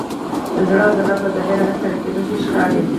د زړه عضله په ظاهره نه ستړی کېدونکې ښکاري.